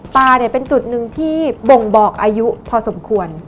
เป็นจุดหนึ่งที่บ่งบอกอายุพอสมควร